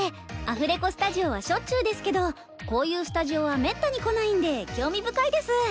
アフレコスタジオはしょっちゅうですけどこういうスタジオはめったに来ないんで興味深いです。